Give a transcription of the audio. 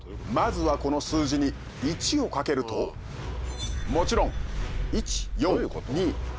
まずはこの数字に１をかけるともちろん１４２８５７。